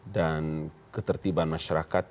dan ketertiban masyarakat